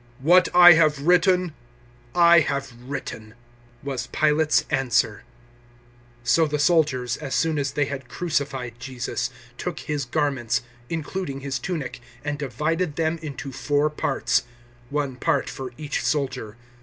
019:022 "What I have written I have written," was Pilate's answer. 019:023 So the soldiers, as soon as they had crucified Jesus, took His garments, including His tunic, and divided them into four parts one part for each soldier.